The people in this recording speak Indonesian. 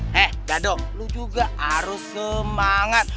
hah dado lu juga harus semangat